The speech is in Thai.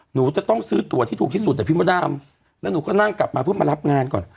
หนูจะต้องซื้อตัวที่ถูกที่สุดอะพี่มดดำแล้วหนูก็นั่งกลับมาเพื่อมารับงานก่อน